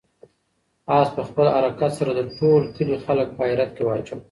آس په خپل حرکت سره د ټول کلي خلک په حیرت کې واچول.